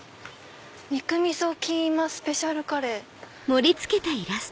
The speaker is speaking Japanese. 肉味噌キーマスペシャルカレー。